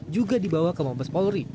juga dibawa ke mabes polri